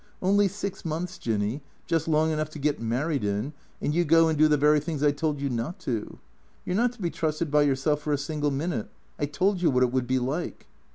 Only six months, Jinny, Just long enough to get married in, and you go and do the very things I told you not to. You 're not to be trusted by yourself for a single min ute. I told you what it would be like."